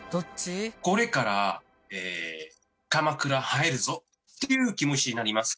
これから鎌倉入るぞという気持ちになります。